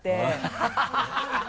ハハハ